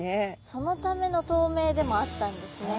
そのための透明でもあったんですね。